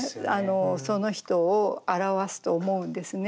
その人を表すと思うんですね。